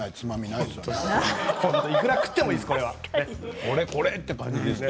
いくら食ってもいいですよ。